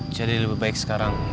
jadi lebih baik sekarang